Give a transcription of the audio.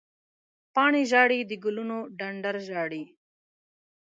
پاڼې ژاړې، د ګلونو ډنډر ژاړې